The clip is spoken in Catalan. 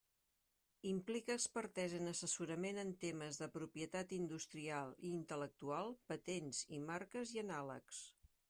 Implica expertesa en assessorament en temes de propietat industrial i intel·lectual, patents i marques, i anàlegs.